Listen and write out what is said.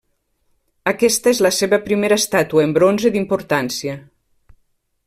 Aquesta és la seva primera estàtua en bronze d'importància.